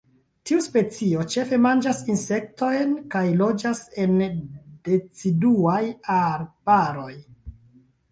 Tiu specio ĉefe manĝas insektojn, kaj loĝas en deciduaj arbaroj.